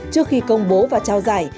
trước khi công bố và trao giải